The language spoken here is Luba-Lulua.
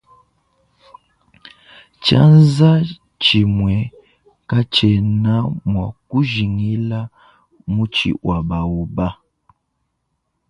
Tshianza tshimue katshiena mua ku jingila mutshi wa baoba.